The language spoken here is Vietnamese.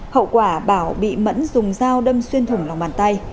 hậu quả bảo bị mẫn dùng dao đâm xuyên thủng lòng bàn tay